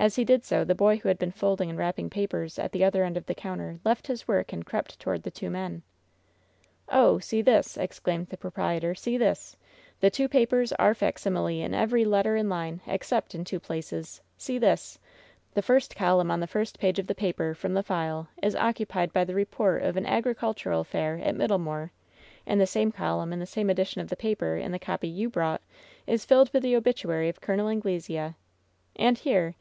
As he did so the boy who had been folding and wrap ping papers at the other end of the counter left his work and crept toward the two men. "Oh I see this !" exclaimed the proprietor — "see this ! The two papers are facsimile in every letter and line, except in two places ! See this ! The first colunm on the first page of the paper from the file is occupied by the report of an agricultural fair at Middlemoor, and LOVE'S BITTEREST CUP 21S the same column in the same edition of the paper, in the eopy you brought, is filled with the obituary of Col. Anglesea ! And here